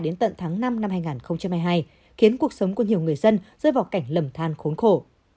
đến tận tháng năm năm hai nghìn hai mươi hai khiến cuộc sống của nhiều người dân rơi vào cảnh lầm than khốn khổ